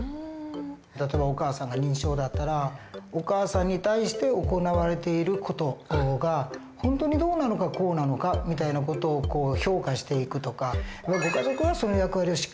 例えばお母さんが認知症だったらお母さんに対して行われている事が本当にどうなのかこうなのかみたいな事を評価していくとかご家族がその役割をしっかり果たしていくって